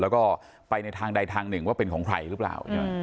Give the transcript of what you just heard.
แล้วก็ไปในทางใดทางหนึ่งว่าเป็นของใครหรือเปล่า